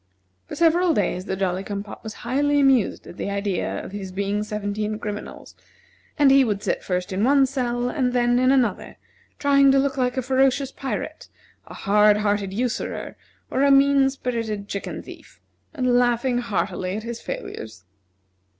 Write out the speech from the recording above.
For several days the Jolly cum pop was highly amused at the idea of his being seventeen criminals, and he would sit first in one cell and then in another, trying to look like a ferocious pirate, a hard hearted usurer, or a mean spirited chicken thief, and laughing heartily at his failures.